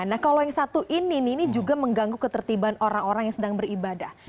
nah kalau yang satu ini nih ini juga mengganggu ketertiban orang orang yang sedang beribadah